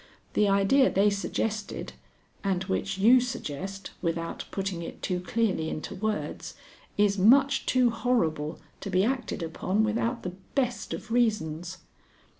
The idea they suggested, and which you suggest without putting it too clearly into words, is much too horrible to be acted upon without the best of reasons.